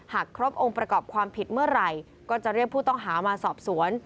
หากครบองค์ประกอบความผิดเมื่อไหร่ก็จะเรียกผู้ต้องหามาสอบสวน